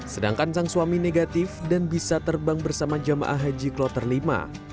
sedangkan sang suami negatif dan bisa terbang bersama jamaah haji kloter lima